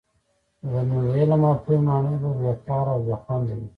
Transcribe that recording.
نو د علم او پوهي ماڼۍ به بې کاره او بې خونده وي.